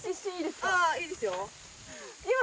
あぁいいですよ。